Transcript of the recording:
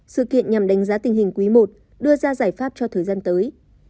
sự kiện nhằm đánh giá tình hình quý i đưa ra giải pháp cho thời gian tới